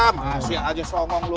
masih aja somong lu